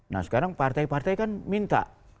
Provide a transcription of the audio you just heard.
nah sekarang partai partai kan minta